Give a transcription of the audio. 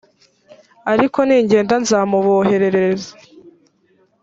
ariko ningenda nzamuboherereza